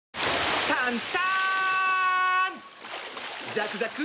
ザクザク！